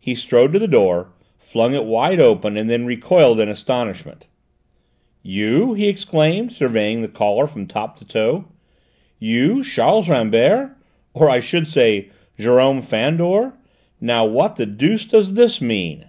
He strode to the door, flung it wide open, and then recoiled in astonishment. "You?" he exclaimed, surveying the caller from top to toe. "You? Charles Rambert! Or, I should say, Jérôme Fandor! Now what the deuce does this mean?"